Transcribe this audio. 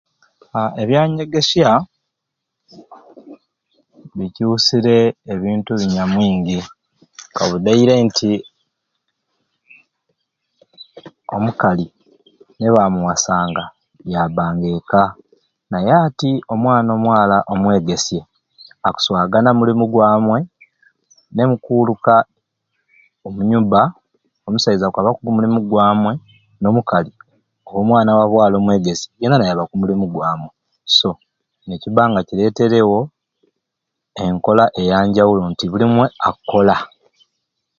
Aaa ebyanyegesya bicusire ebintu binyamwingi kabudi eire nti omukali nebamuwasnaga yabanga ekka naye ati omwana omwala omwegesye akuswagana mulimu gwamwei nemukuwuluka omu nyumba omusaiza akwaba ku mulumu gwamwei n'omukazi omwana wabwala omwegesye yena nayaba ku mulumu gwamwei so nekiba nga kireterewo enkola eyanjawulo nti buli omwei akola